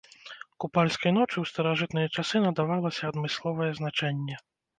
Купальскай ночы ў старажытныя часы надавалася адмысловае значэнне.